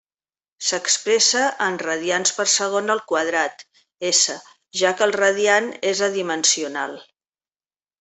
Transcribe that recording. S'expressa en radians per segon al quadrat, s, ja que el radian és adimensional.